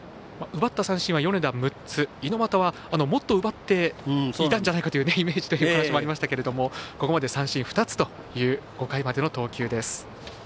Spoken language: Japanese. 奪った三振は米田６つ、猪俣はもっと奪っていたんじゃないかというイメージという話もありましたがここまで三振が２つという５回までの投球です。